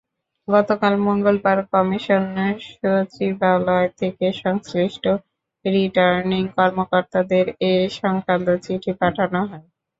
গতকাল মঙ্গলবার কমিশন সচিবালয় থেকে সংশ্লিষ্ট রিটার্নিং কর্মকর্তাদের এ-সংক্রান্ত চিঠি পাঠানো হয়।